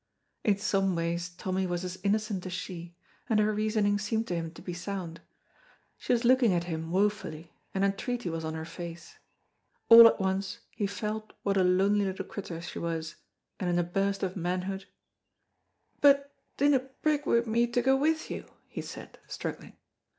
In some ways Tommy was as innocent as she, and her reasoning seemed to him to be sound. She was looking at him woefully, and entreaty was on her face; all at once he felt what a lonely little crittur she was, and, in a burst of manhood, "But, dinna prig wi' me to go with you," he said, struggling.